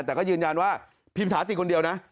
แต่ก็ยืนยันว่าพิมถาติคนเดียวนะ